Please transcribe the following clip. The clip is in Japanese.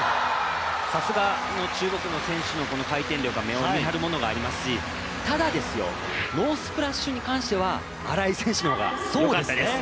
さすが、中国の選手のこの回転力は、目を見張るものがありますしただ、ノースプラッシュに関しては荒井選手の方がよかったです。